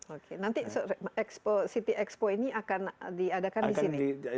oke nanti city expo ini akan diadakan di sini